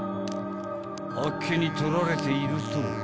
［あっけにとられていると］